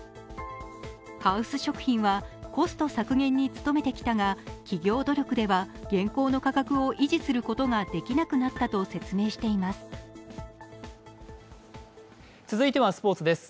ハウス食品は、コスト削減に努めてきたが企業努力では現行の価格を維持することができなくなったと説明しています。